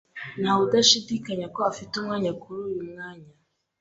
Ntawe ushidikanya ko afite umwanya kuri uyu mwanya.